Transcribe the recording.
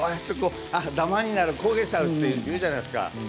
ダマになる、焦げちゃうっていうじゃないですか。